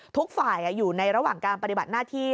ทุกฝ่ายอยู่ในระหว่างการปฏิบัติหน้าที่